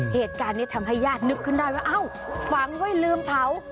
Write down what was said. เหตุการณ์นี้ทำให้ญาตินึกขึ้นได้ว่าเอ้าฝังไว้ลืมเผา